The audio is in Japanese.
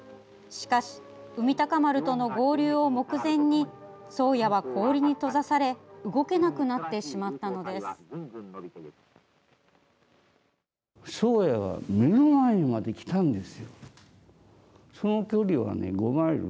しかし「海鷹丸」との合流を目前に「宗谷」は氷に閉ざされ動けなくなってしまったのです。